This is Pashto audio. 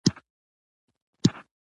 یورانیم د افغانستان د سیلګرۍ برخه ده.